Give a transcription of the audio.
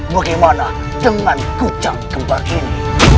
bagaimana dengan kucang kembar ini